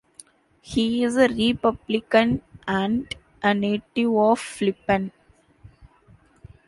He is a Republican and a native of Flippin.